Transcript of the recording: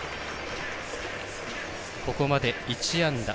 ここまで１安打。